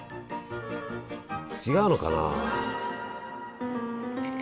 違うのかな。